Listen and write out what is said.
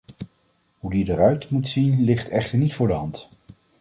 Hoe die eruit moet zien ligt echter niet voor de hand.